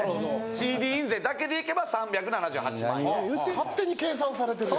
ＣＤ印税だけでいけば３７８万円。